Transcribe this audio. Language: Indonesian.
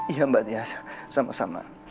iya mbak dias sama sama